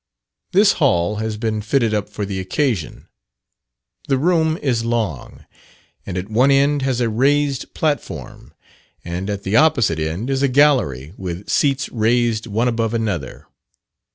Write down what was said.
This hall has been fitted up for the occasion. The room is long, and at one end has a raised platform; and at the opposite end is a gallery, with seats raised one above another.